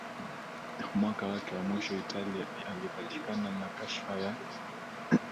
Mwaka wake wa mwisho Italia alipatikana na kashfa ya